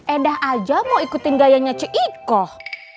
edah aja mau ikutin gayanya cikoh